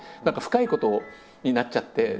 何か深いことになっちゃって。